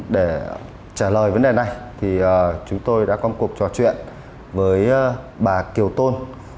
để trả lời vấn đề này thì chúng tôi đã có một cuộc trò chuyện với bà kiều tôn